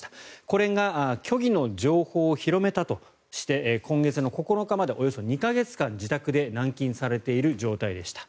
これが虚偽の情報を広めたとして今月の９日までおよそ２か月間、自宅で軟禁されている状態でした。